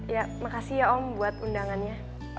ya makasih ya om buat undangannya